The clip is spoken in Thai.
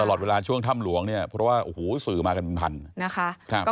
ตลอดเวลาช่วงถ้ำหลวงเนี่ยเพราะว่าโอ้โหสื่อมากันเป็นพันนะคะ